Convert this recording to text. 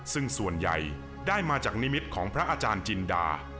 ซึ่งส่วนใหญ่ได้มาจากนิมิตของพระอาจารย์จินดา